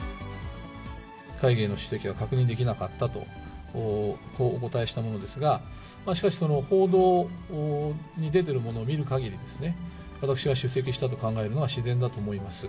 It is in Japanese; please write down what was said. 会議への出席は確認できなかったと、こうお答えしたものですが、しかし、その報道に出てるものを見るかぎり、私は出席したと考えるのが自然だと思います。